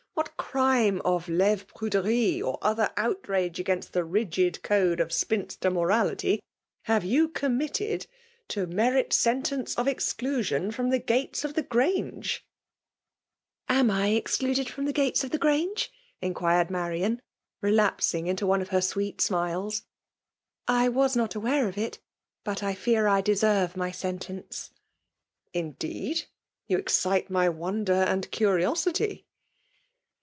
What crime of lese prudmie, or other outrage against the rigid code of spinater morality, hare you committed, to merit sentence of exclusion from the gates of the Grange ?'* ''Am I excluded firom the gates of the Grange ?" inquired Marian, relapsing into one of her sweet smiles. <' I was not aware of it; but I fear I deserve my sentence." '' Indeed I You excite my wonder and curiosity."